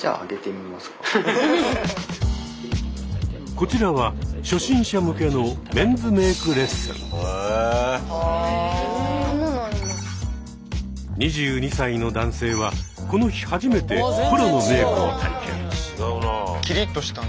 こちらは初心者向けの２２歳の男性はこの日初めてプロのメークを体験。